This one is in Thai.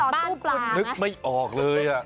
บ้านนึกไม่ออกเลยอ่ะ